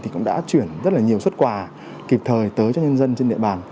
cũng đã chuyển rất nhiều xuất quà kịp thời tới cho nhân dân trên địa bàn